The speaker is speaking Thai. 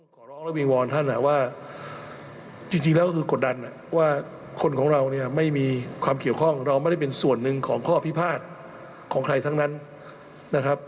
ขอร้องและวิงวอนท่านว่าจริงแล้วก็คือกดดันว่าคนของเราเนี่ยไม่มีความเกี่ยวข้องเราไม่ได้เป็นส่วนหนึ่งของข้อพิพาทของใครทั้งนั้นนะครับ